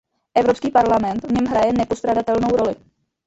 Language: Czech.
Evropský parlament v něm hraje nepostradatelnou roli.